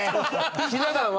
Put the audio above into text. ひな壇は？